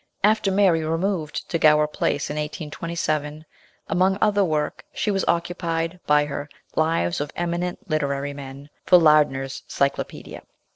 After Mary removed to Gower Place in 1827, among other work, she was occupied by her Lives of Eminent Literary Men, for Lardner's Cyclopedia.